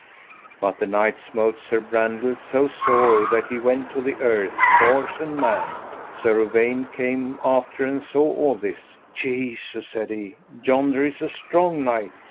But the knight smote Sir Brandiles so sore that he went to the earth, horse and man. Sir Uwaine came after and saw all this. Jesu, said he, yonder is a strong knight.